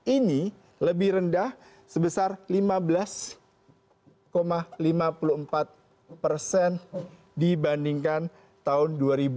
ini lebih rendah sebesar lima belas lima puluh empat persen dibandingkan tahun dua ribu dua puluh